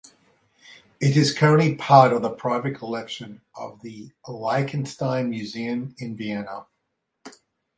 It is currently part of the private collection of the Liechtenstein Museum in Vienna.